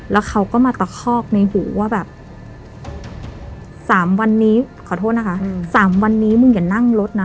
แล้วเขาก็มาตะคอกในหูว่าแบบ๓วันนี้ขอโทษนะคะ๓วันนี้มึงอย่านั่งรถนะ